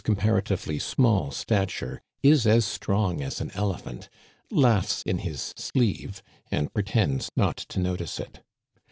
comparatively small stature, is as strong as an elephant, laughs in his sleeve and pretends not to notice it.